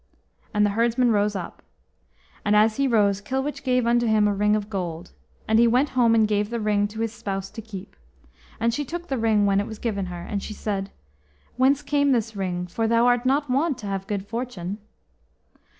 And the herdsman rose up. And as he rose Kilwich gave unto him a ring of gold. And he went home and gave the ring to his spouse to keep. And she took the ring when it was given her, and she said, "Whence came this ring, for thou art not wont to have good fortune."